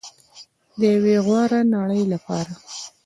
د یوې غوره نړۍ لپاره.